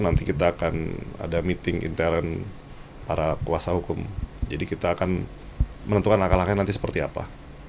nanti kita akan ada meeting intern para kuasa hukum jadi kita akan menentukan langkah langkahnya nanti seperti apa